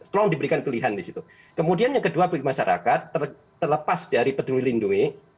tolong diberikan pilihan di situ kemudian yang kedua bagi masyarakat terlepas dari peduli lindungi